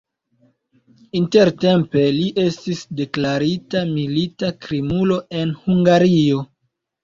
Intertempe li estis deklarita milita krimulo en Hungario.